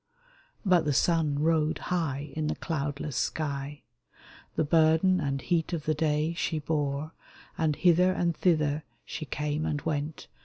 But the sun rode high in the cloudless sky ; The burden and heat of the day she bore And hither and thither she came and went.